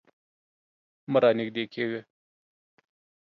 مه رانږدې کیږه